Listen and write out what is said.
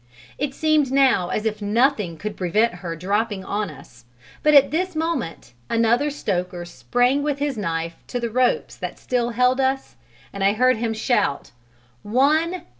It seemed now as if nothing could prevent her dropping on us, but at this moment another stoker sprang with his knife to the ropes that still held us and I heard him shout, "One!